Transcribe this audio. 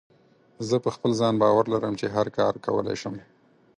زه په خپل ځان باور لرم چې هر کار کولی شم.